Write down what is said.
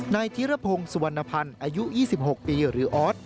ธิรพงศ์สุวรรณภัณฑ์อายุ๒๖ปีหรือออส